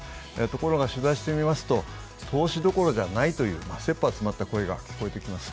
ところが、取材してみますと投資どころじゃないというせっぱ詰まった声が聞こえてきます。